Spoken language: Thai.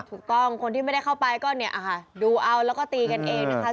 ถูกต้องคนที่ไม่ได้เข้าไปก็ดูเอาและก็ตีกันเองนะคะ